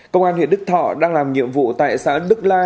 công an huyện đức thọ đang làm nhiệm vụ tại xã đức la